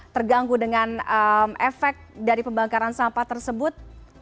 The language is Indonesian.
terganggu dengan efek dari pembakaran sampah tersebut